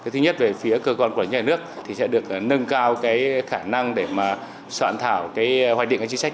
thứ nhất về phía cơ quan của nhà nước thì sẽ được nâng cao khả năng để soạn thảo hoài định các chính sách